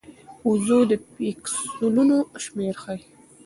وضوح د پیکسلونو شمېر ښيي.